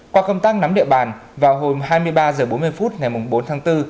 qua công tác nắm địa bàn vào hồi hai mươi ba h bốn mươi phút ngày bốn tháng bốn